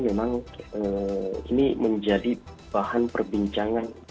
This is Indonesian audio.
memang ini menjadi bahan perbincangan